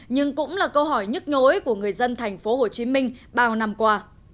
nhưng cũng là câu hỏi nhức nhối của người dân tp hcm bao năm qua